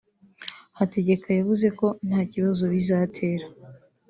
Hategeka yavuze ko nta kibazo bizatera